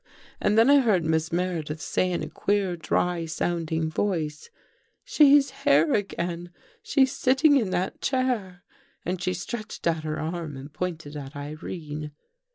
And then I heard Miss Meredith say, in a queer, dry sounding voice: j "' She's here again. She's sitting in that chair.' ! And she stretched out her arm and pointed at Irene.